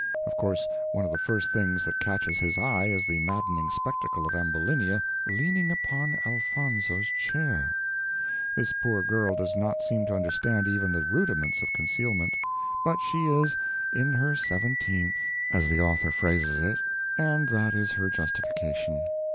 Of course, one of the first things that catches his eye is the maddening spectacle of Ambulinia "leaning upon Elfonzo's chair." This poor girl does not seem to understand even the rudiments of concealment. But she is "in her seventeenth," as the author phrases it, and that is her justification.